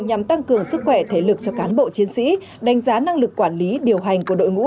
nhằm tăng cường sức khỏe thể lực cho cán bộ chiến sĩ đánh giá năng lực quản lý điều hành của đội ngũ